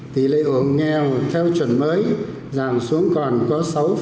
tỷ lệ hộ nghèo theo chuẩn mới giảm xuống còn có sáu tám